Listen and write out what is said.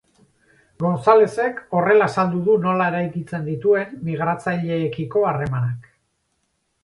Gonzalezek horrela azaldu du nola eraikitzen dituen migratzaileekiko harremanak.